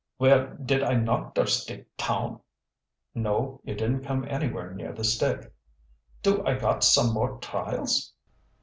"Well, did I knock der stick town?" "No, you didn't come anywhere near the stick." "Do I got some more trials?"